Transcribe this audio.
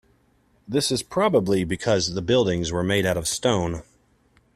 This is probably because the buildings were made out of stone.